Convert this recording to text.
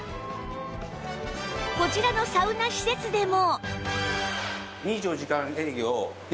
こちらのサウナ施設でも